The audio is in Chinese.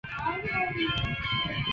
先让自己脱困